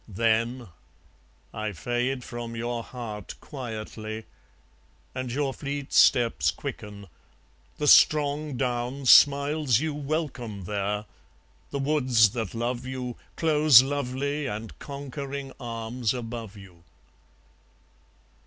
Then I fade from your heart, quietly; And your fleet steps quicken. The strong down Smiles you welcome there; the woods that love you Close lovely and conquering arms above you.